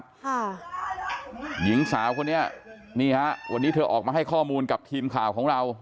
หญิงสาวคนนี้นี่ฮะวันนี้เธอออกมาให้ข้อมูลกับทีมข่าวของเรา